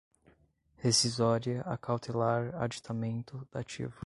rescisória, acautelar, aditamento, dativo